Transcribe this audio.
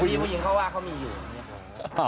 แต่พี่ผู้หญิงเขาว่าเขามีอย่างนี้ครับ